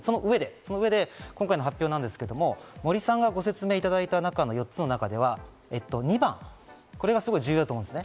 その上で今回の発表ですけど、森さんがご説明いただいた中の４つの中では２番、これが重要だと思います。